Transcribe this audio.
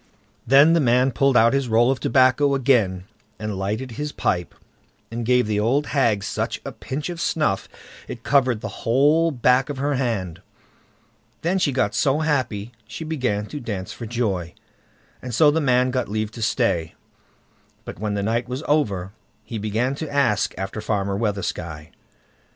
Then the man pulled out his roll of tobacco again, and lighted his pipe, and gave the old hag such a pinch of snuff it covered the whole back of her hand. Then she got so happy she began to dance for joy, and so the man got leave to stay. But when the night was over, he began to ask after Farmer Weathersky.